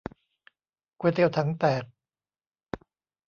ก๋วยเตี๋ยวถังแตก